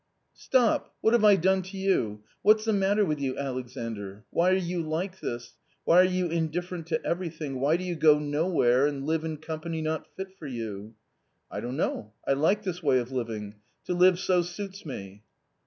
Stop ! what have I done to you ? what's the matter with you, Alexandr ? Why are you like this ? why are you in different to everything, why do you go nowhere, and live in company not fit for you ?"" I don't know, I like this way of living ; to live so suits me."